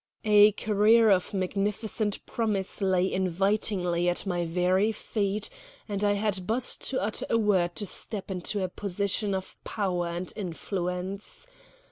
A career of magnificent promise lay invitingly at my very feet, and I had but to utter a word to step into a position of power and influence.